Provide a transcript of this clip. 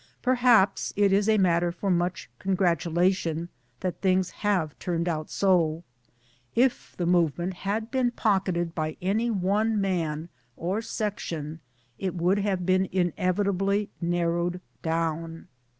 Perhaps it is a matter for much congratulation that things have turned out so. If the movement had been pocketed by any one man or section it would have been inevitably narrowed down.